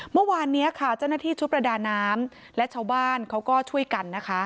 เมื่อวานนี้ค่ะเจ้าหน้าที่ชุดประดาน้ำและชาวบ้านเขาก็ช่วยกันนะคะ